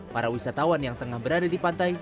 para wisatawan yang tengah berada di pantai